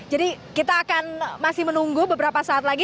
jadi kita akan masih menunggu beberapa saat lagi